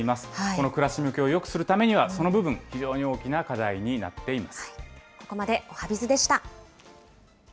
この暮らし向きをよくするためにはその部分、非常に大きな課題になっています。